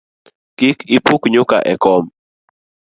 Kik ipuk nyuka e kom